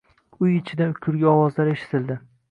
Uy ichidan kulgi ovozlari eshitildi.